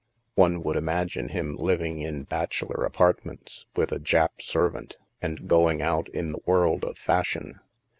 One would imagine him living in bachelor apartments with a Jap servant, and go ing out in the world of fashion.